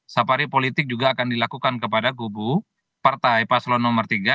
safari politik juga akan dilakukan kepada gubu partai paslon nomor tiga